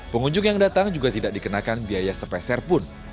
pengunjung yang datang juga tidak dikenakan biaya sepeser pun